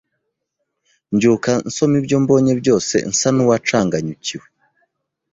mbyuka nsoma ibyo mbonye byose nsa n’uwacanganyukiwe